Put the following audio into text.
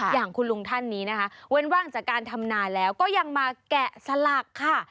อย่างคุณลุงท่านนี้นะคะเว้นว่างจากการทำนาแล้วก็ยังมาแกะสลักค่ะ